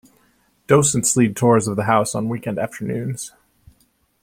Docents lead tours of the house on weekend afternoons.